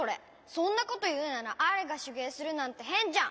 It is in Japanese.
そんなこというならアイがしゅげいするなんてへんじゃん！